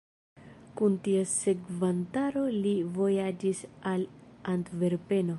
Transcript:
Kun ties sekvantaro li vojaĝis al Antverpeno.